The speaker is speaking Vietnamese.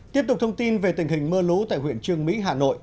tiếp tục thông tin về tình hình mưa lũ tại huyện trương mỹ hà nội